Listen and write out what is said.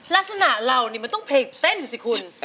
ลักษณะเรานี่มันต้องเพลงเต้นสิคุณ